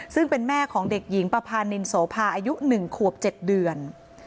ซึ่งเป็นแม่ของเด็กหญิงประพานินโสภาอายุ๑ขวบ๗เดือน